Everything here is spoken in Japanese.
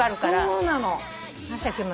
そうなの。